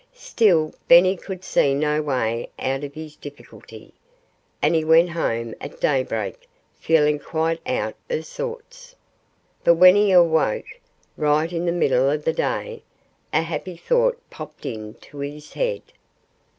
Still, Benny could see no way out of his difficulty. And he went home at day break feeling quite out of sorts. But when he awoke, right in the middle of the day, a happy thought popped into his head.